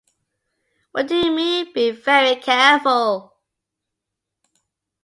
What do you mean, be very careful?